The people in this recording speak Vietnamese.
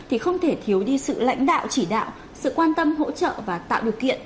thì không thể thiếu đi sự lãnh đạo chỉ đạo sự quan tâm hỗ trợ và tạo điều kiện